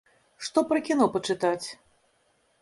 Што пра кіно пачытаць?